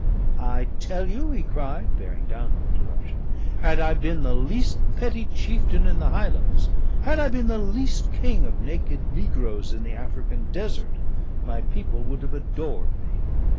"I tell you," he cried, bearing down my interruption, "had I been the least petty chieftain in the Highlands, had I been the least king of naked negroes in the African desert, my people would have adored me.